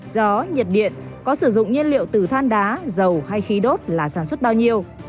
gió nhiệt điện có sử dụng nhiên liệu từ than đá dầu hay khí đốt là sản xuất bao nhiêu